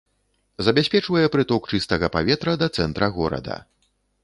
Забяспечвае прыток чыстага паветра да цэнтра горада.